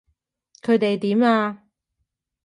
佢哋點啊？